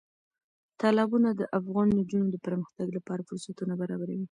تالابونه د افغان نجونو د پرمختګ لپاره فرصتونه برابروي.